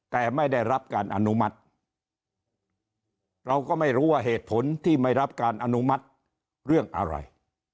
แต่ไม่ได้รับการอนุมัติเราก็ไม่รู้ว่าเหตุผลที่ไม่รับการอนุมัติเรื่องอะไร